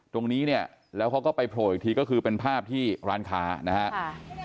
ตรงนี้เนี่ยแล้วเขาก็ไปโผล่อีกทีก็คือเป็นภาพที่ร้านค้านะครับ